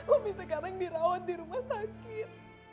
om sekarang dirawat di rumah sakit